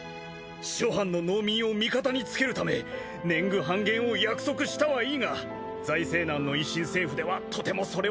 諸藩の農民を味方につけるため年貢半減を約束したはいいが財政難の維新政府ではとてもそれを実行できない。